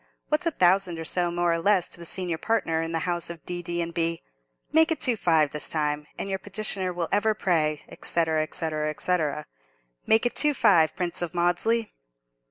What's a thousand or so, more or less, to the senior partner in the house of D., D., and B.? Make it two five this time, and your petitioner will ever pray, &c. &c. &c. Make it two five, Prince of Maudesley!"